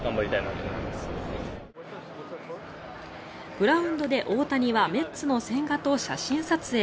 グラウンドで大谷はメッツの千賀と写真撮影。